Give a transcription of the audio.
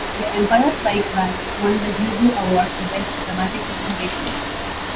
"The Empire Strikes Back" won the Hugo Award for Best Dramatic Presentation.